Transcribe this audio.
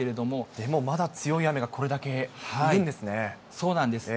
でもまだ、強い雨がこれだけそうなんです。